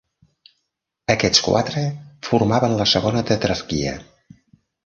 Aquests quatre formaven la segona tetrarquia.